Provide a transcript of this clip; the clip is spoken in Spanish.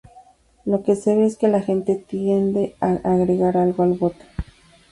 Lo que se ve es que la gente tiende a agregar algo al bote.